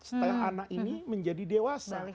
setelah anak ini menjadi dewasa